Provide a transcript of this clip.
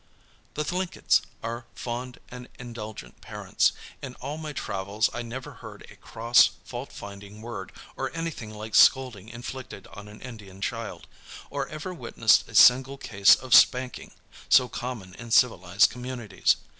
The Thlinkits are fond and indulgent parents. In all my travels I never heard a cross, fault finding word, or anything like scolding inflicted on an Indian child, or ever witnessed a single case of spanking, so common in civilized communities.